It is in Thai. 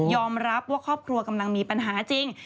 รับว่าครอบครัวกำลังมีปัญหาจริง